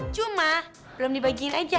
cuma belum dibagiin aja